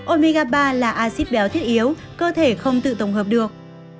omega ba là acid béo thiết yếu cơ thể không tự tổng hợp được